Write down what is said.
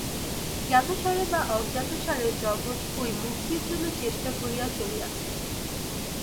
জ্ঞাতসারে বা অজ্ঞাতসারে জগৎ ঐ মুক্তির জন্য চেষ্টা করিয়া চলিয়াছে।